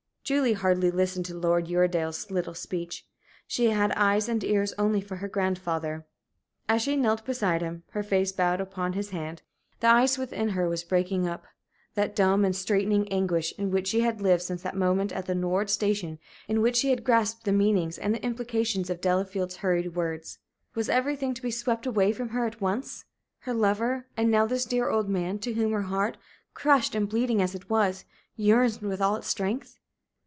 Julie hardly listened to Lord Uredale's little speech. She had eyes and ears only for her grandfather. As she knelt beside him, her face bowed upon his hand, the ice within her was breaking up, that dumb and straitening anguish in which she had lived since that moment at the Nord Station in which she had grasped the meaning and the implications of Delafield's hurried words. Was everything to be swept away from her at once her lover, and now this dear old man, to whom her heart, crushed and bleeding as it was, yearned with all its strength?